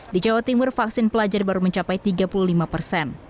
di jawa timur vaksin pelajar baru mencapai tiga puluh lima persen